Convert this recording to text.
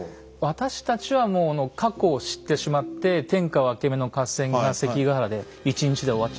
私たちはもう過去を知ってしまって天下分け目の合戦が関ヶ原で１日で終わっちゃったっていう。